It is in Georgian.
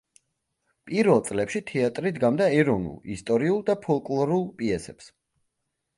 პირველ წლებში თეატრი დგამდა ეროვნულ, ისტორიულ და ფოლკლორულ პიესებს.